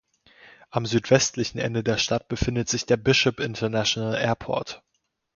Am südwestlichen Ende der Stadt befindet sich der Bishop International Airport.